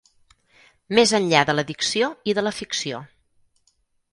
Més enllà de la dicció i de la ficció.